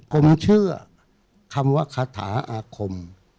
ผมเชื่อคำว่าคาถาอาคม